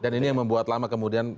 dan ini yang membuatnya